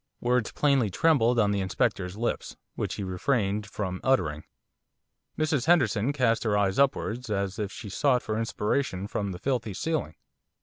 Words plainly trembled on the Inspector's lips, which he refrained from uttering. Mrs Henderson cast her eyes upwards, as if she sought for inspiration from the filthy ceiling.